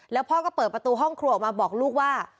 แล้วพ่อก็เปิดประตูห้องครัวออกมาบอกลูกว่า